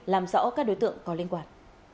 làm rõ các đối tượng có liên quan